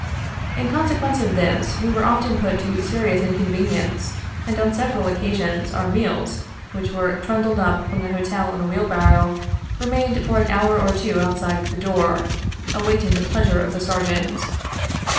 In consequence of this, we were often put to serious incon venience, and on several occasions, our meals, which were trundled up from the hotel on a wheelbarrow, remained for an hour or two outside of the door, awaiting the pleasure of the Sergeant.